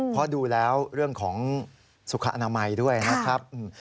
เพราะดูแล้วเรื่องของสุขอนามัยด้วยนะครับ